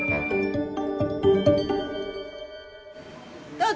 どうぞ！